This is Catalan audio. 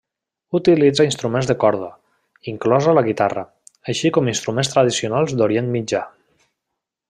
Utilitza instruments de corda, inclosa la guitarra, així com instruments tradicionals d'Orient Mitjà.